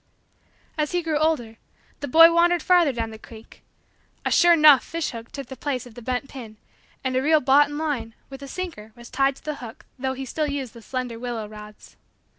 As he grew older, the boy wandered farther down the creek. A "sure 'nough" fishhook took the place of the bent pin and a real "boughten" line, with a sinker, was tied to the hook though he still used the slender willow rods.